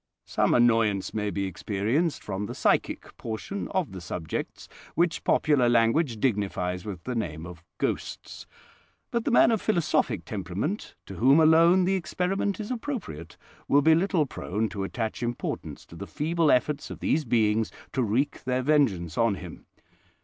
Some annoyance may be experienced from the psychic portion of the subjects, which popular language dignifies with the name of ghosts. But the man of philosophic temperament—to whom alone the experiment is appropriate—will be little prone to attach importance to the feeble efforts of these beings to wreak their vengeance on him.